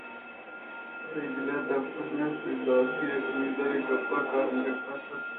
تئی دل ءِ تب ءَ نہ بیت حزانہ یک زمیندارے کپتہ کاراَت ءُ مَرگ ءِکل ءَ سر اَت